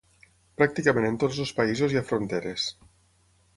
Pràcticament en tots els països hi ha fronteres.